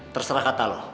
terserah kata lo